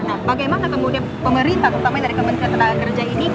nah bagaimana kemudian pemerintah terutama dari kementerian tenaga kerja ini